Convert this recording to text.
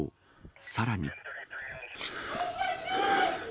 さらに。